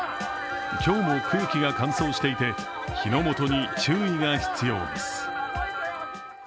今日も空気が乾燥していて、火の元に注意が必要です。